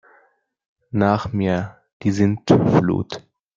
Nach mir die Sintflut!